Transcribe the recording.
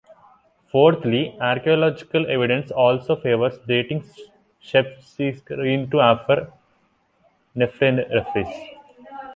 Fourthly, archaeological evidence also favors dating Shepseskare's reign to after Neferefre's.